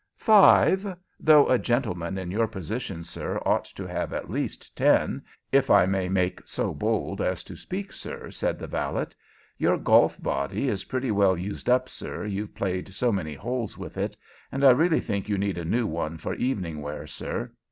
"Five though a gentleman of your position, sir, ought to have at least ten, if I may make so bold as to speak, sir," said the valet. "Your golf body is pretty well used up, sir, you've played so many holes with it; and I really think you need a new one for evening wear, sir.